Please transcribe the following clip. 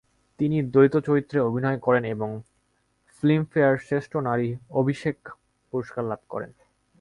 তিনি দ্বৈত চরিত্রে অভিনয় করেন এবং ফিল্মফেয়ার শ্রেষ্ঠ নারী অভিষেক পুরস্কার লাভ করেন।